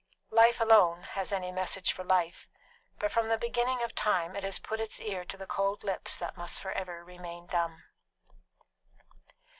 Life alone has any message for life, but from the beginning of time it has put its ear to the cold lips that must for ever remain dumb.